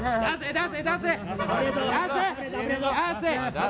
出せ！